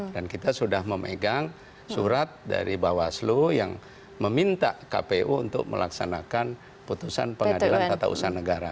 dan kita sudah memegang surat dari bawaslu yang meminta kpu untuk melaksanakan putusan pengadilan tata usaha negara